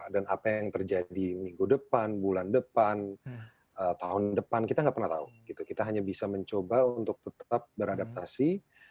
dan apa yang terjadi minggu depan bulan depan tahun depan kita nggak pernah tahu kita hanya bisa mencoba untuk tetap beradaptasi